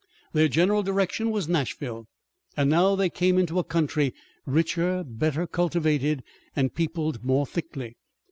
Their general direction was Nashville, and now they came into a country, richer, better cultivated, and peopled more thickly.